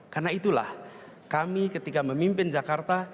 karena itulah kami ketika memimpin jakarta